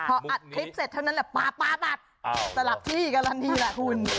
เพราะอัดคลิปเสร็จเท่านั้นแหละป๊าบตราบที่กรณีละคุณ